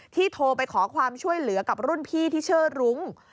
โทรไปขอความช่วยเหลือกับรุ่นพี่ที่ชื่อรุ้ง